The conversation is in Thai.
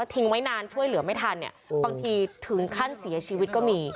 ทิ้งไว้นานช่วยเหลือไม่ทันเนี่ยบางทีถึงขั้นเสียชีวิตก็มี